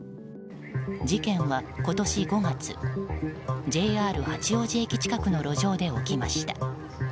事件は、今年５月ＪＲ八王子駅近くの路上で起きました。